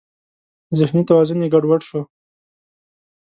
ذهني توازن یې ګډ وډ شو.